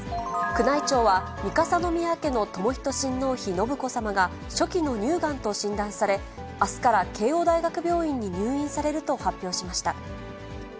宮内庁は、三笠宮家のとも仁親王妃、信子さまが初期の乳がんと診断され、あすから慶応大学病院に入院されると発表しました。